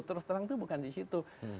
terus terang itu bukan di situ